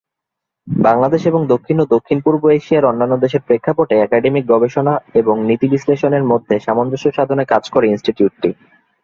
বাংলাদেশ এবং দক্ষিণ ও দক্ষিণ-পূর্ব এশিয়ার অন্যান্য দেশের প্রেক্ষাপটে একাডেমিক গবেষণা এবং নীতি বিশ্লেষণের মধ্যে সামঞ্জস্য সাধনে কাজ করে ইনস্টিটিউটটি।